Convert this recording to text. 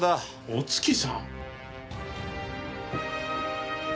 お月さん？